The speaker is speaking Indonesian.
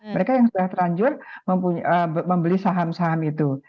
mereka yang sudah terlanjur membeli saham saham itu